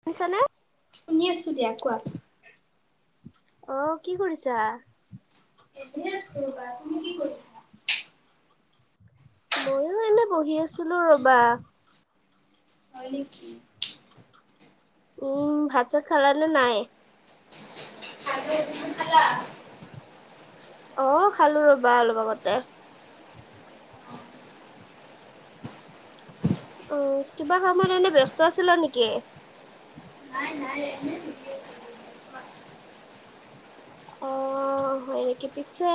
শুনিছানে? শুনি আছোঁ দিয়া। কোৱা? অঁ! কি কৰিছা? এনেই আছো ৰবা। তুমি কি কৰিছা? ময়ো এনেই বহি আছিলোঁ ৰবা। হয় নেকি? উম! ভাত-চাত খালা নে নাই? [unintelligible] খালোঁ। তুমি খালা? অঁ! খালো ৰবা, অলপ আগতে। অঁ! কিবা কামত এনেই ব্যস্ত আছিলা নেকি? নাই-নাই [unintelligible] অঁ! অঁ! হয় নেকি? পিছে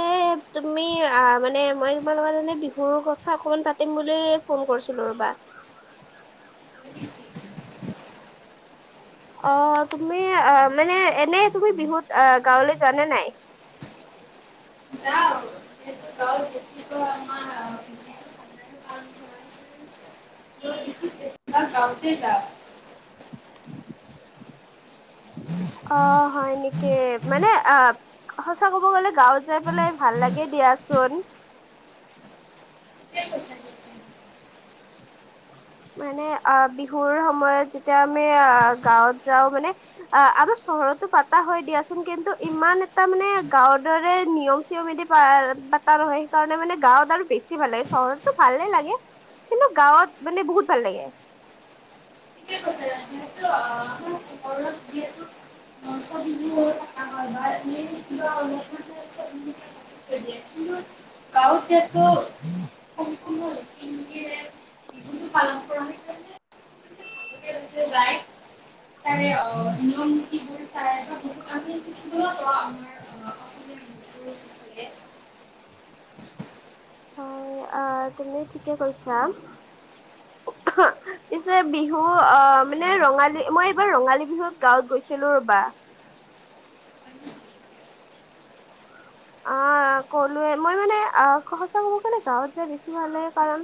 তুমি আ মানে মই তোমাৰ লোকৰ কাৰণে বিহুৰ কথা অকমান পাত পাতিম বুলি ফোন কৰিছিলোঁ ৰ'বা। [unintelligible] অঁ! তুমি অ মানে এনে তুমি বিহুত অঁ গাঁৱলৈ যোৱা নে নাই? যাওঁ। [unintelligible] [inaudible] [unintelligible] [unintelligible] গাওঁতে যা। [inaudible] [inaudible] অ', হয় নেকি? মানে আ সঁচা ক'ব গ'লে গাঁৱত যাই পেলাই ভাল লাগে দিয়াচোন। ঠিকে কৈছা তুমি। মানে অ', বিহুৰ সময়ত যেতিয়া আমি আ, গাঁৱত যাওঁ মানে অ', আৰু চহৰতো পাতা হয় দিয়াচোন, কিন্তু ইমান এটা মানে গাঁৱৰ দৰে নিয়ম চিয়মেদি পাতা নহয়, সেইকাৰণে মানে গাঁৱত আৰু বেছি ভাল লাগে, চহৰতো ভালেই লাগে। কিন্তু গাঁৱত মানে বহুত ভাল লাগে। ঠিকেই কৈছে যিহেতু আ, চহৰত যিহেতু [unintelligible] [unintelligible] গাঁৱৰ যিহেতু সম্পূৰ্ণ ৰীতি নীতিৰে [unintelligible] ভালকে ভালকে যায় তাৰে অ নিয়ম নীতিবোৰ চাই বা বহুত আমি [inaudible] [inaudible] হয়, আ, তুমি ঠিকেই কৈছা। পিছে বিহু আ, মানে ৰঙালী মই এইবাৰ ৰঙালী বিহুত গাঁৱত গৈছিলো ৰবা। আ, ক'লোৱে মই মানে সঁচা কব গ'লে গাওঁত যায় বেছি ভাল লাগে, কাৰণ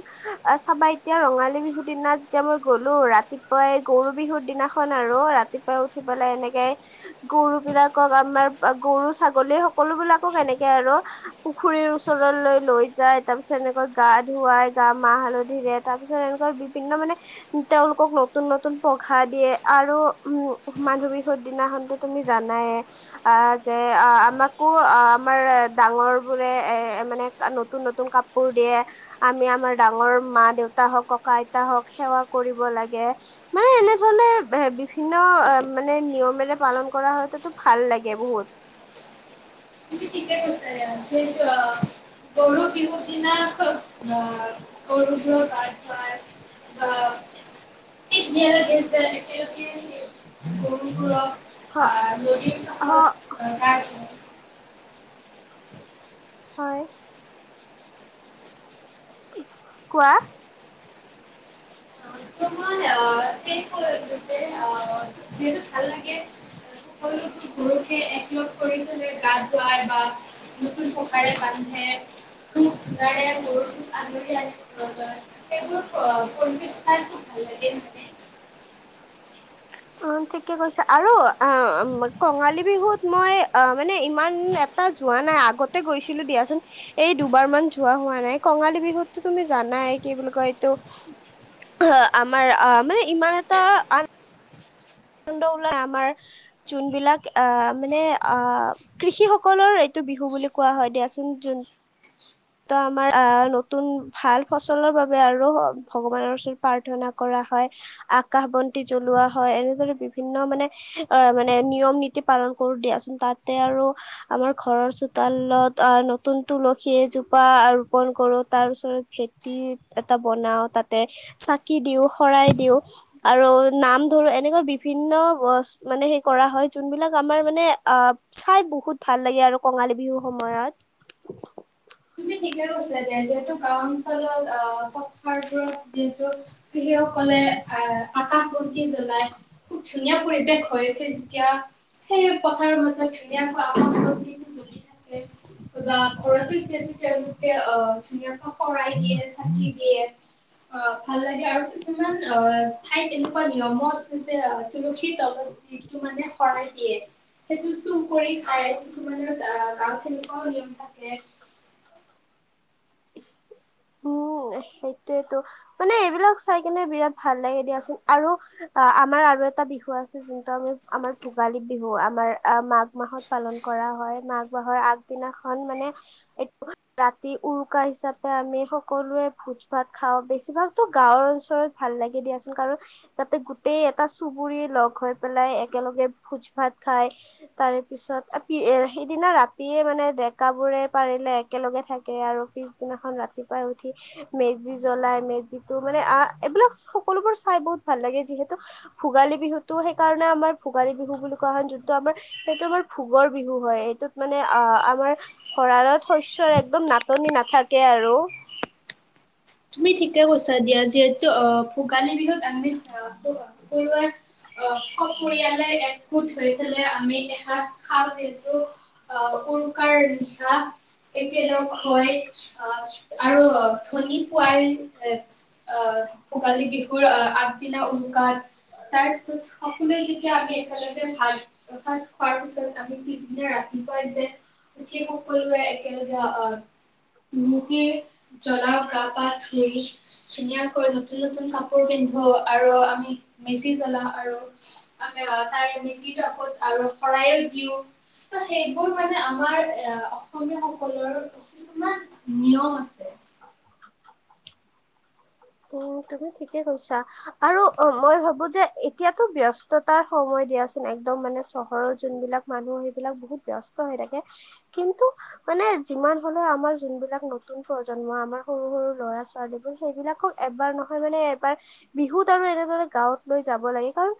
চাবা এতিয়া ৰঙালী বিহুৰ দিনা যেতিয়া মই গ'লো, ৰাতিপুৱাই গৰু বিহুৰ দিনাখন আৰু ৰাত ৰাতিপুৱাই উঠি পেলাই এনেকে গৰু বিলাকক আমাৰ গৰু ছাগলী সকলো বিলাক কক এনেকে আৰু। পুখুৰীৰ ওচৰলৈ লৈ যায়, তাৰপিছত এনেকৈ গা ধুৱাই, গা মাহ হালধিৰে তাৰ পিছত এনেকুৱা বিভিন্ন মানে তেওঁলোকক নতুন, নতুন পঘা দিয়ে। আৰু উম, মানুহ বিহুৰ দিনাখন তুমি জানাইয়ে, আ, যে আ, আমাকো আ আমাৰ এ ডাঙৰ বোৰে এ মানে নতুন নতুন কাপোৰ দিয়ে। আমি আমাৰ ডাঙৰ মা দেউতা হওক ককা আইতা হওক সেৱা কৰিব লাগে। মানে এনেধৰণে এ বিভিন্ন মানে নিয়মেৰে পালন কৰা হয় তাতো ভাল লাগে বহুত। [inaudible] গৰু বিহু দিনা গৰুগৃহত [unintelligible] হ হ [inaudible] [inaudible] হয়। কোৱা। [unintelligible] [unintelligible] যিহেতু ভাল লাগে। সকলো গৰুকে একলগ কৰি পেলায় গা ধোৱাই বা নুতুন পঘাৰে বান্ধে। [unintelligible] ভাল লাগে হয়নে? অ' ঠিকে কৈছে, আৰু অ' কঙালী বিহুত মই অ মানে ইমান টাত যোৱা নাই আগতে গৈছিলো দিয়াচোন। এই দুবাৰ মান যোৱা হোৱা নাই, কঙালী বিহুতটো তুমি জানাই কি বুলি কয় এইটো অ' আমাৰ অ মানে ইমান এটা [unintelligible] ওলাই আমাৰ চোন বিলাক আহ মানে অ' কৃষি সকলৰ এইটো বিহু বুলি কোৱা হয় দিয়াচোন। যোন ত' আমাৰ আহ নতুন ভাল ফচলৰ বাবে আৰু ভগৱানৰ ওচৰত প্ৰাৰ্থনা কৰা হয়। আকাশ বন্তি জ্বলোৱা হয়। এনেদৰে বিভিন্ন মানে অ' মানে নিয়ম নীতি পালন কৰো দিয়াচোন। তাতে আৰু আমাৰ ঘৰৰ চোতালত অ' নতুন তুলসীয় এ জোপা আ ৰোপন কৰো তাৰ ওচৰত খেতি এটা বনাওঁ তাতে। চাকি দিওঁ, শৰাই দিওঁ। আৰু নাম ধৰো এনেকুৱা বিভিন্ন [unintelligible] মানে সেই কৰা হয়। যোনবিলাক আমাৰ মানে চাই বহুত ভাল লাগে আৰু কঙালী বিহুৰ সময়ত। তুমি ঠিকে কৈছিলা দিয়া, যিহেতু গাও অঞ্চলত আহ পথাৰবোৰত যিহেতু পিলি সকলে আহ আকাশ বন্তি জ্বলাই। খুব ধুনীয়া পৰিৱেশ হৈ উঠে। যেতিয়া সেই পথাৰৰ মাজত ধুনীয়াকৈ আকাশ বন্তি [unintelligible] তেওঁলোকে অ' ধুনীয়াকৈ পঢ়াই দিয়ে, [unintelligible] দিয়ে অ' ভাল লাগে আৰু কিছুমান ঠাইত এনেকুৱা নিয়মো আছে যে তলত যিটো মানে শৰাই দিয়ে সেইটো চুৰ কৰি খায়, কিছুমানে আহ আ তেনেকুৱাও গেম থাকে। উম সেইটোয়েতো মানে এইবিলাক চাই কেনে বিৰাট ভাল লাগে দিয়াচোন। আৰু অ' আমাৰ আৰু এটা বিহু আছে যোনটো আমি আমাৰ ভোগালী বিহু আমাৰ অ' মাঘ মাহত পালন কৰা হয়, মাঘ মাহৰ আগদিনাখন মানে এইটো ৰাতি উৰুকা হিচাপে আমি সকলোৱে ভোজ ভাত খাওঁ, বেছিভাগতো গাঁৱৰ অঞ্চলত ভাল লাগে দিয়াচোন। কাৰণ, তাতে গোটেই এটা চুবুৰী লগ হৈ পেলাই একেলগে ভোজ ভাত খাই। তাৰে পিছত সেইদিনা ৰাতিয়ে মানে ডেকা বোৰে পাৰিলে একেলগে থাকে আৰু পিছদিনাখন ৰাতিপুৱাই উঠি মেজি জ্বলাই, মেজিতো মানে এইবিলাক সকলোবোৰ চাই বহুত ভাল লাগে। যিহেতু ভোগালী বিহুটো সেইকাৰণে আমাৰ ভোগালী বিহু বুলি কোৱা হয়। যোনটো আমাৰ সেইটো আমাৰ ভোগৰ বিহু হয়, এইটোত মানে আ আমাৰ ভৰালত শস্যৰ একদম নাটনি নাথাকে আৰু। তুমি ঠিকে কৈছা দিয়া। যিহেতু আহ ভোগালী বিহুত আমি আহ, [unintelligible] অঁ, স পৰিয়ালে এক গোট হৈ পেলাই আমি এসাঁজ খাওঁ যিহেতু আহ উৰুকাৰ নিশা। একেলগ হয়, আহ আৰু ধনী পোৱাল এ, আহ' ভোগালী বিহুৰ আহ আগদিনা উৰুকাত তাৰ পিছত সকলোৱে যেতিয়া আমি একেলগ ভাত ভাত খোৱাৰ পিছত আমি পিছদিনা ৰাতিপুৱাই যে উঠি সকলোৱে একেলগে মেজি জ্বলাও গা পা ধুই। ধুনীয়াকৈ নতুন-নতুন কাপোৰ পিন্ধো আৰু আমি মেজি জ্বলাও আৰু। [inaudible] ত, সেইবোৰ মানে আমাৰ এ, অসমীয়া সকলৰ কিছুমান নিয়ম আছে। উম, তুমি ঠিকে কৈছা আৰু মই ভাবো যে এতিয়াতো ব্য স্ততাৰ সময় দিয়াচোন একদম মানে চহৰৰ যোনবিলাক মানুহ সেইবিলাক বহুত ব্যস্ত হৈ থাকে। কিন্তু মানে যিমান হলেও আমাৰ যোনবিলাক নতুন প্ৰজন্ম আমাৰ সৰু সৰু ল'ৰা ছোৱালীবোৰ সেইবিলাকক এবাৰ নহয় মানে এবাৰ বিহুত আৰু এনেদৰে গাঁৱত লৈ যাব লাগে, কাৰণ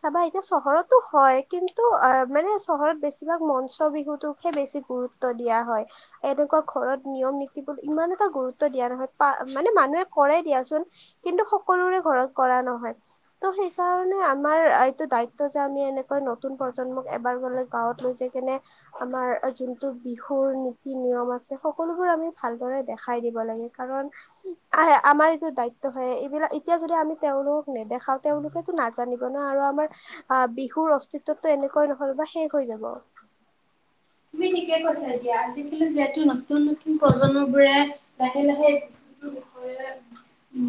চাবা এতিয়া চহৰতো হয়, কিন্তু অঁ মানে চহৰত বেছিভাগ মঞ্চ বিহুতোকহে বেছি গুৰুত্ব দিয়া হয়। এনেকুৱা ঘৰত নিয়ম নিতি বোৰ ইমান এটা গুৰুত্ব নহয় পা মানে মানুহে কৰে দিয়া চোন কিন্তু সকলোৰে ঘৰত কৰা নহয়। ত' সেই কাৰণে আমাৰ এইটো দায়িত্ব যে আমি এনেকৈ প্ৰজন্মক এবাৰ হ'লে গাঁৱত লৈ যায় কিনে আমাৰ যোনটো বিহুৰ নীতি নিয়ম আছে। সকলোবোৰ আমি ভালদৰে দেখাই দিব লাগে কাৰণ আহে আমাৰ দায়িত্ব হয়্এইবিলাক এতিয়া যদি আমি তেওঁলোকক নেদেখাও তেওঁলোকেতো নাজানিব ন' আৰু আমাৰ অঁ, বিহুৰ অস্তিত্বটো এনেকুৱাই নহয় বা শেষ হৈ যাব। তুমি ঠিকে কৈছা, এতিয়া আজিকালি যিহেতু নতুন নতুন প্ৰজন্ম বোৰে লাহে লাহে বিষয়ে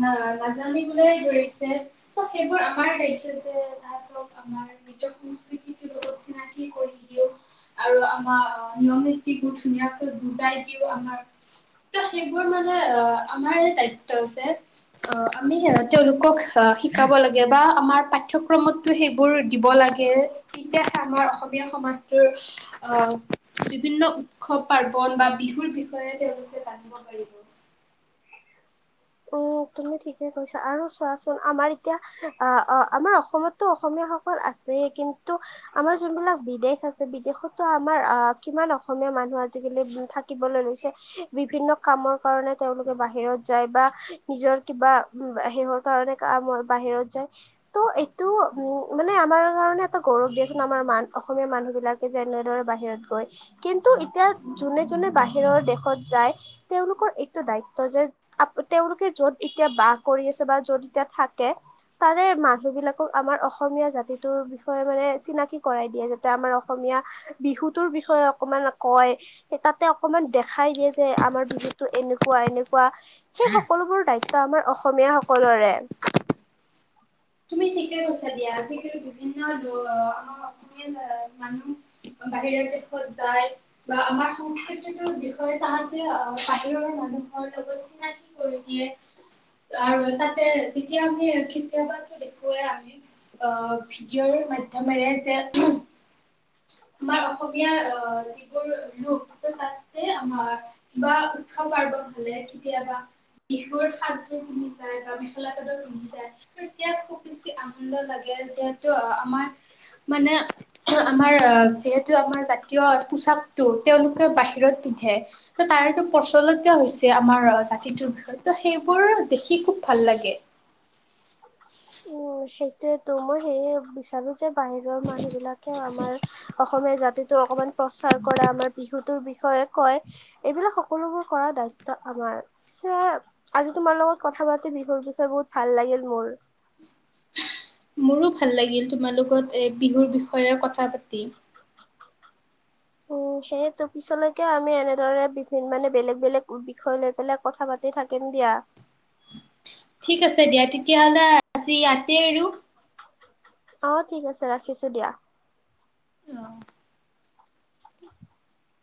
না নাজানিবলৈ ধৰিছে। ত' সেইবোৰ আমাৰ দায়িত্ব যে তাহাঁতক আমাৰ নিজৰ সংস্কৃতিটোৰ লগত চিনাকি কৰি দিও আৰু আ বা নিয়ম নীতি বোৰ ধুনীয়াকৈ বুজাই দিও আমাৰ ত' সেইবোৰ মানে অঁ আমাৰ দায়িত্ব যে অঁ, আমি তেওঁলোকক আহ শিকাব লাগে বা আমাৰ পাঠ্যক্ৰমত ত' সেইবোৰ দিব লাগে তেতিয়াহে আমাৰ অসমীয়া সমাজটোৰ আহঁ বিভিন্ন উৎসৱ পাৰ্বন বা তেওঁলোকে জানিব পাৰিব। উম, তুমি ঠিকে কৈছা আৰু চোৱাচোন আমাৰ এতিয়া আঁ অঁ, আমাৰ অসমতো অসমীয়াসকল আছে, কিন্তু আমাৰ যোনবিলাক বিদেশ আছে, বিদেশতো আমাৰ আহ কিমান অসমীয়া মানুহ আজিকালি থাকিবলৈ লৈছে। বিভিন্ন কামৰ কাৰণে তেওঁলোকে বাহিৰত যায় বা নিজৰ কিবা সিহঁতৰ কাৰণে কাম বাহিৰত যায়। ত' এইটো উম, মানে আমাৰ কাৰণে এটা গৌৰৱ দিয়াচোন আমাৰ মাম অসমীয়াাৰ মানুহ বিলাক যেনেদৰে বাহিৰত গৈ কিন্তু এতিয়া যোনে বাহিৰৰ দেশত যায়, তেওঁলোকৰ এইটো দায়িত্ব যে তেওঁলোকে য'ত এতিয়া বাস কৰি আছে বা য'ত এতিয়া থাকে তাৰে মানুহ বিলাকক আমাৰ অসমীয়া জাতিটোৰ বিষয়ে মানে চিনাকি কৰাই যাতে আমাৰ অসমীয়া বিহুতৰ বিষয়ে অকমান কয়। তাতে অকমান দেখাই দিয়ে যে আমাৰ বিহুতো এনেকুৱা এনেকুৱা। সেই সকলোবোৰ দায়িত্ব আমাৰ অসমীয়া সকলৰে। তুমি ঠিকে কৈছা দিয়া, আজিকালি বিভিন্ন আমাৰ অসমীয়া মানুহ বাহিৰা দেশত যায়। বা আমাৰ সংস্কৃতিটোৰ বিষয়ে তাহতে বাহিৰৰ মানুহৰ লগত চিন কৰি দিয়ে আৰু তাতে যেতিয়া আমি কেতিয়া দে খোয়ে আমি আঁহ ভিডিঅ'ৰ মাধ্যমেৰে যে আমাৰ অসমীয়া আহ যিবোৰ লোক তাতে আমাৰ বা উৎসৱ পাৰ্বন হ'লে কেতিয়াবা বিহুৰ সাজযোৰ পিন্ধি যায় বা মেখেলা চাদৰ পিন্ধি যায় তেতিয়া খুব বেছি আনন্দ লাগে যিহেতু আমাৰ মানে আমাৰ যিহেতু আমাৰ জাতীয় পোছাকটো তেওঁলোকে বাহিৰত পিন্ধে ত' তাৰেটো প্ৰচলিত হৈছে আমাৰ জাতিটোৰ বিষয়ে ত' সেইবোৰ দেখি খুব ভাল লাগে। উম সেইটোয়ে টো মই সেইয়ে বিচাৰো যে বাহিৰৰ মানুহ বিলাকেও আমাৰ অসমীয়া জাতিটোৰ অকনমান প্ৰচাৰ কৰা আমাৰ বিহুটোৰ বিষয়ে কয় এইবিলাক সকলোবোৰ কৰাৰ দায়িত্ব আমাৰ পিছে আজি তোমাৰ লগত কথা পাতি বিহুৰ বিষয়ে বহুত ভাল লাগিল মোৰ মোৰো ভাল লাগিল তোমাৰ লগত এ বিহুৰ বিষয়ে কথা পাতি। উ সেইটো পিছলৈকে আমি এনেদৰে বিভি মানে বেলেগ বেলেগ বিষয় লৈ পেলাই কথা পাতিম। থাকিম দিয়া ঠিক আছে দিয়া তেতিয়াহ'লে আজি ইয়াতেই এৰো অ ঠিক আছে ৰাখিছোঁ দিয়া। অঁ [inaudible]